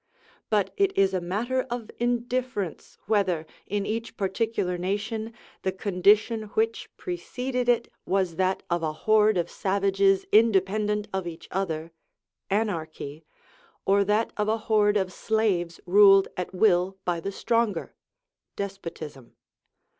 But it is a matter of indifference whether, in each particular nation, the condition which preceded it was that of a horde of savages independent of each other (anarchy), or that of a horde of slaves ruled at will by the stronger (despotism).